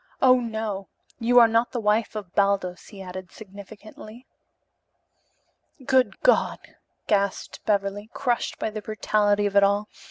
"Oh, no. You are not the wife of Baldos," he added significantly. "Good God!" gasped Beverly, crushed by the brutality of it all.